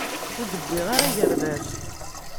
Ur d-wwiɣ ara agerdas.